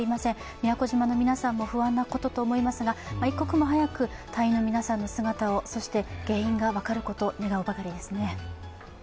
宮古島の皆さんも不安なことと思いますが、一刻も早く隊員の皆さんの姿をそして原因が分かることを祈るしだいですね。